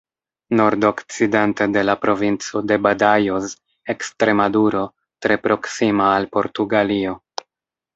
Nordokcidente de la Provinco de Badajoz, Ekstremaduro, tre proksima al Portugalio.